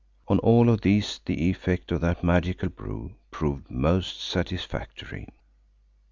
On all of these the effect of that magical brew proved most satisfactory.